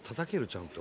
ちゃんと。